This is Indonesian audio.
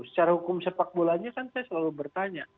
secara hukum sepak bolanya kan saya selalu bertanya